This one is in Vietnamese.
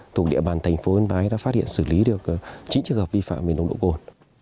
thuộc địa bàn thành phố yên bái đã phát hiện xử lý được chín trường hợp vi phạm về nồng độ cồn